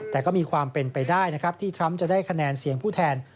แต่ก็มีความเป็นไปได้นะครับที่ทรัมป์จะได้คะแนนเสียงผู้แทน